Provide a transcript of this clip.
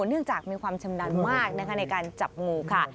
เนื่องจากมีความชำนาญมากนะคะในการจับงูค่ะ